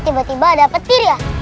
tiba tiba ada petir ya